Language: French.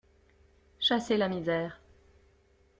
Chasser la misère